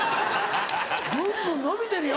ぐんぐん伸びてるよ。